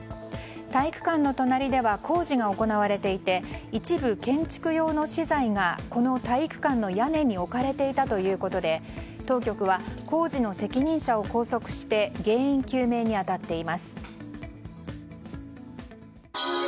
体育館の隣では工事が行われていて一部建築用の資材がこの体育館の屋根に置かれていたということで当局は工事の責任者を拘束して原因究明に当たっています。